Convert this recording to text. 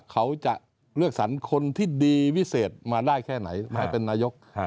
เขาจะเลือกสรรคนที่ดีวิเศษมาได้แค่ไหนมาให้เป็นนายก